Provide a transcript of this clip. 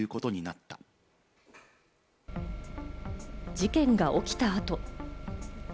事件が起きた後。